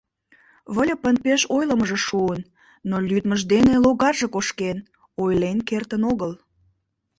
Выльыпын пеш ойлымыжо шуын, но лӱдмыж дене логарже кошкен, ойлен кертын огыл.